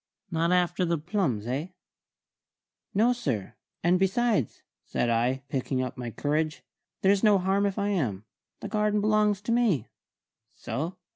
"Not after the plums, eh?" "No, sir; and besides," said I, picking up my courage, "there's no harm if I am. The garden belongs to me." "So?"